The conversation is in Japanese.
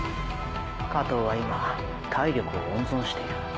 加藤は今体力を温存している。